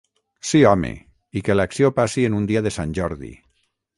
Sí home, i que l'acció passi en un dia de Sant Jordi.